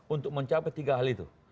untuk mencapai tiga hal itu